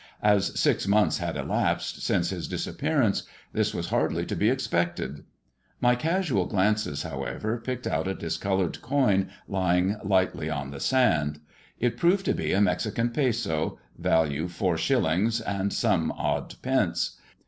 As six months had elapsed since his disappearance, this was hardly to be expected. My casual glances, however, picked out a dis coloured coin lying lightly on the sand. It proved to be a Mexican peso, value four shillings and some odd pence.